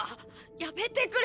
やめてくれ！